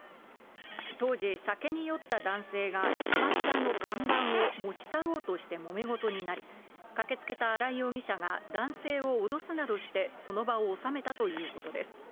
当時、酒に酔った男性がキャバクラの看板を持ち去ろうとしてもめ事になり、駆けつけた新井容疑者が男性を脅すなどしてその場を収めたということです。